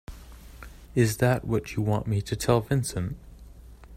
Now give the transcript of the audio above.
Is that what you want me to tell Vincent?